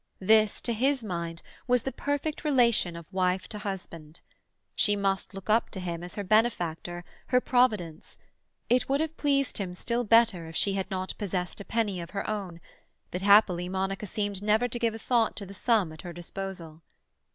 This, to his mind, was the perfect relation of wife to husband. She must look up to him as her benefactor, her providence. It would have pleased him still better if she had not possessed a penny of her own, but happily Monica seemed never to give a thought to the sum at her disposal.